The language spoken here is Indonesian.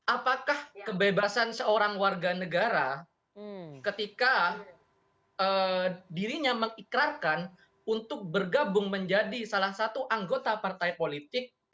apakah kebebasan seorang warga negara ketika dirinya mengikrarkan untuk bergabung menjadi salah satu anggota partai politik